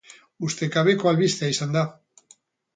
Ustekabeko albistea izan da.